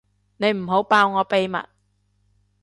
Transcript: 你唔好爆我秘密